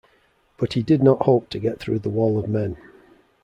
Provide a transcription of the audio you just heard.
But he did not hope to get through the wall of men.